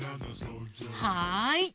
はい！